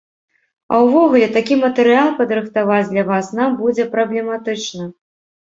А ўвогуле, такі матэрыял падрыхтаваць для вас нам будзе праблематычна.